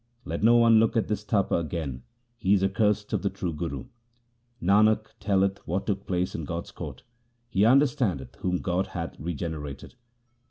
' Let no one look at this Tapa again ; he is accursed of the true Guru.' Nanak telleth what took place in God's court. He under standeth whom God hath regenerated.